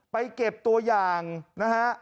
ไปเก็บตัวอย่างนะฮะ